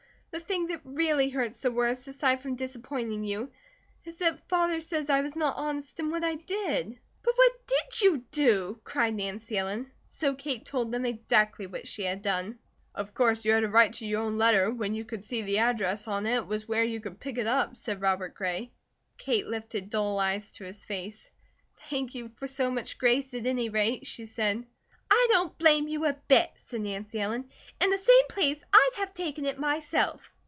The thing that really hurts the worst, aside from disappointing you, is that Father says I was not honest in what I did." "But what DID you do?" cried Nancy Ellen. So Kate told them exactly what she had done. "Of course you had a right to your own letter, when you could see the address on it, and it was where you could pick it up," said Robert Gray. Kate lifted dull eyes to his face. "Thank you for so much grace, at any rate," she said. "I don't blame you a bit," said Nancy Ellen. "In the same place I'd have taken it myself."